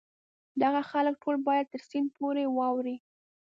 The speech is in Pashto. دغه خلک ټول باید تر سیند پورې واوړي.